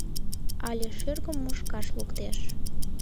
— Але шӱргым мушкаш луктеш?»